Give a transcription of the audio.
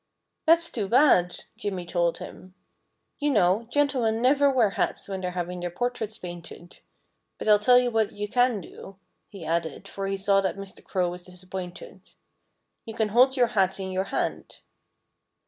"That's too bad!" Jimmy told him. "You know, gentlemen never wear hats when they're having their portraits painted. But I'll tell you what you can do," he added, for he saw that Mr. Crow was disappointed. "You can hold your hat in your hand."